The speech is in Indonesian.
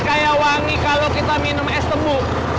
kayak wangi kalau kita minum es temu